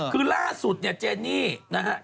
คือล่าสุดเจนี่นะครับ